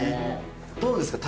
どうですか？